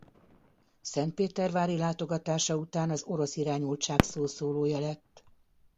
Szentpétervári látogatása után az orosz irányultság szószólója lett.